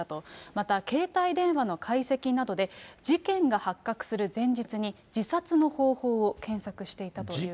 また携帯電話の解析などで、事件が発覚する前日に、自殺の方法を検索していたということです。